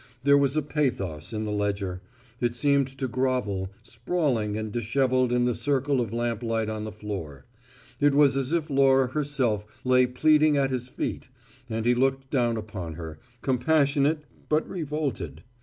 There was a pathos in the ledger; it seemed to grovel, sprawling and dishevelled in the circle of lamp light on the floor: it was as if Laura herself lay pleading at his feet, and he looked down upon her, compassionate but revolted.